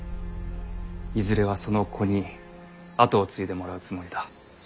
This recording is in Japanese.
いずれはその子に跡を継いでもらうつもりだ。